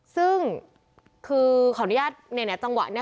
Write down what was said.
ซึ่งคือของอนุญาตในจังหวะนี้คือ